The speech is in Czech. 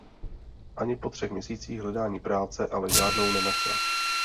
Ani po třech měsících hledání práce ale žádnou nenašla.